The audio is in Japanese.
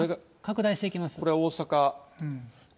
これ、大阪。